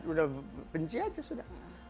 sudah benci saja sudah